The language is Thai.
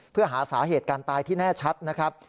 เพื่อหาสาเหตุการตายที่แน่ชัดนะครับ